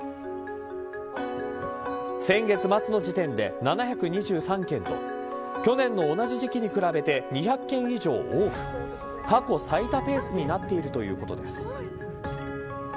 先月末の時点で７２３件と去年の同じ時期に比べて２００件以上多く過去最多ペースになっているということです。